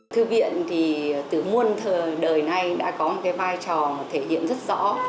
thư viện thì từ nguồn thờ đời nay đã có một vai trò thể hiện rất rõ